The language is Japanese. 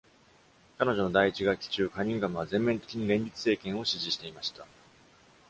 彼女の第一学期中、カニンガムは全面的に連立政権を支持していました。